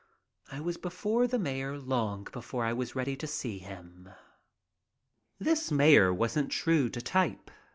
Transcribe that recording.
I was before the mayor long before I was ready to see him. This mayor wasn't true to type.